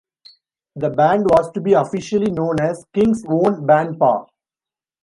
The band was to be officially known as King's Own Bandpa.